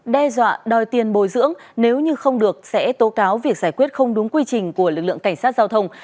đe dọa đòi tiền bồi dưỡng nếu như không được sẽ tố cáo việc giải quyết không đúng quy trình của lực lượng cảnh sát giao thông